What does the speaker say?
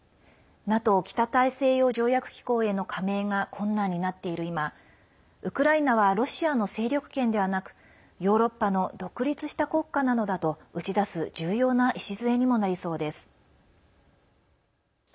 ＮＡＴＯ＝北大西洋条約機構への加盟が困難になっている今ウクライナはロシアの勢力圏ではなくヨーロッパの独立した国家なのだと打ち出す重要な礎にもなりそうです。